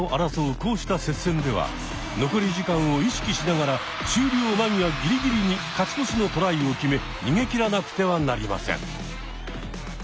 こうした接戦では残り時間を意識しながら終了間際ギリギリに勝ち越しのトライを決め逃げきらなくてはなりません。